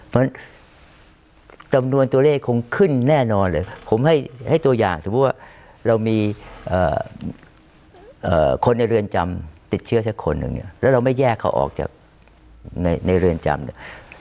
เพราะฉะนั้นจำนวนตัวเลขคงขึ้นแน่นอนเลยผมให้ตัวอย่างสมมุติว่าเรามีคนในเรือนจำติดเชื้อสักคนหนึ่งเนี่ยแล้วเราไม่แยกเขาออกจากในเรือนจำเนี่ย